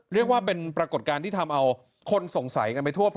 เรียกว่าเป็นปรากฏการณ์ที่ทำเอาคนสงสัยกันไปทั่ว